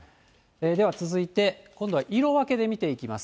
では続いて、今度は色分けで見ていきます。